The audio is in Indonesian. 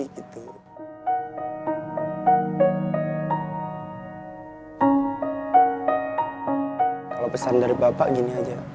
kalau pesan dari bapak gini aja